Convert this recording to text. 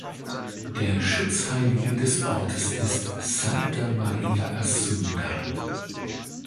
Der Schutzheilige des Ortes ist Santa Maria Assunta.